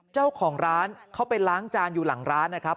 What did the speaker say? เจ้าของร้านเขาไปล้างจานอยู่หลังร้านนะครับ